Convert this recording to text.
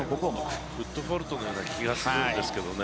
フットポルトのような気がするんですけどね。